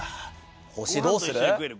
星どうする？